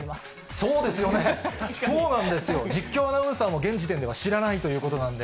そうなんですよ、実況アナウンサーも現時点では知らないということなんで。